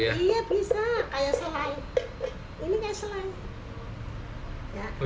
iya bisa kayak selai ini kayak selai